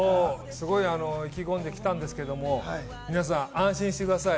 すごい意気込んできたんですが、皆さん安心してください。